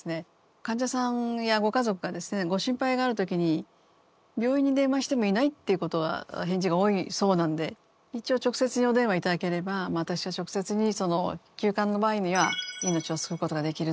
患者さんやご家族がですねご心配がある時に病院に電話してもいないっていうことが返事が多いそうなんで一応直接にお電話頂ければ私が直接に急患の場合には命を救うことができると。